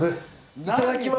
いただきます。